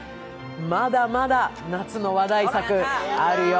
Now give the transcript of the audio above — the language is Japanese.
まだまだ夏の話題作、あるよ。